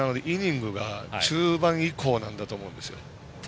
イニングが中盤以降なんだと思うんですよ。